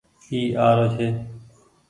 اي آرو ڇي۔